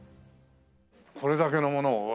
これだけのものをうわ。